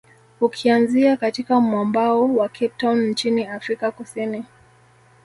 Ukianzia katika mwambao wa Cape Town nchini Afrika kusini